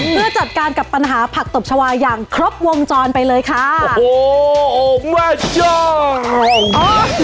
เพื่อจัดการกับปัญหาผักตบชาวาอย่างครบวงจรไปเลยค่ะโอ้โห